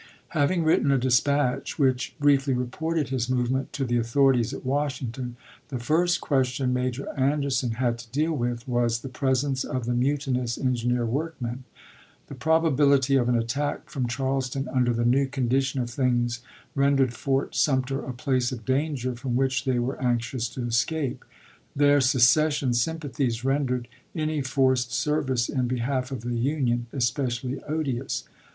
Having written a dispatch which briefly reported his movement to the authorities at Washington, the first question Major Anderson had to deal with was the presence of the mutinous engineer workmen. The probability of an attack from Charleston under the new condition of things rendered Fort Sumter a place of danger from which they were anxious to escape; their secession sympathies rendered any forced service in behalf of the Union especially odious.